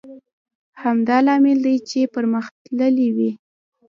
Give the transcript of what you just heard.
همدا لامل دی چې پرمختللی وي.